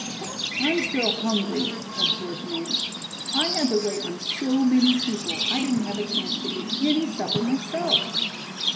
"I'm still hungry," observed Nance. "I had to wait on so many people I didn't have a chance to eat any supper myself."